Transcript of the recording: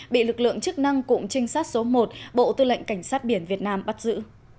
bị lực lượng chức năng cụm trinh sát số một bộ tư lệnh cảnh sát biển việt nam bắt giữ